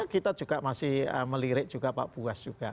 kita juga masih melirik juga pak buas juga